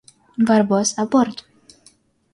Барбос, апорт!